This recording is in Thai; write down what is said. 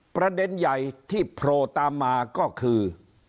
ประเด็นใหญ่ที่โผล่ตามมาก็คือ